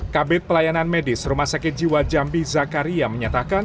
kabit pelayanan medis rumah sakit jiwa jambi zakaria menyatakan